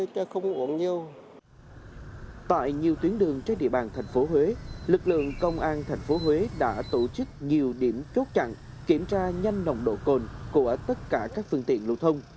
trong những đường trên địa bàn tp huế lực lượng công an tp huế đã tổ chức nhiều điểm chốt chặn kiểm tra nhanh nồng độ cồn của tất cả các phương tiện lưu thông